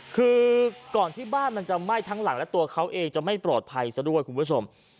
คือก่อนที่บ้านมันจะไหม้ทั้งหลังและตัวเขาเองจะไม่ปลอดภัยซะด้วยคุณผู้ชม